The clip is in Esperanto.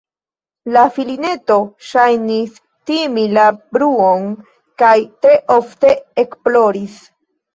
La filineto ŝajnis timi la bruon kaj tre ofte ekploris.